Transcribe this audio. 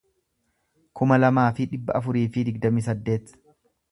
kuma lamaa fi dhibba afurii fi digdamii saddeet